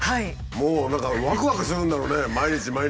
もう何かわくわくするんだろうね毎日毎日。